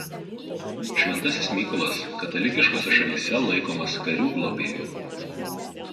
Šventasis Mykolas katalikiškose šalyse laikomas karių globėju.